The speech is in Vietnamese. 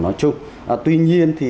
nói chung tuy nhiên thì